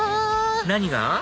何が？